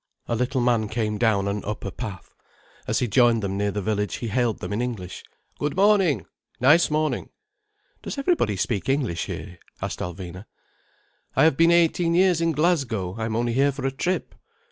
A little man came down an upper path. As he joined them near the village he hailed them in English: "Good morning. Nice morning." "Does everybody speak English here?" asked Alvina. "I have been eighteen years in Glasgow. I am only here for a trip."